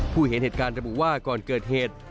เห็นเหตุการณ์ระบุว่าก่อนเกิดเหตุ